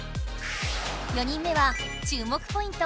４人目は注目ポイント